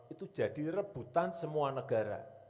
itu jadi rebutan semua negara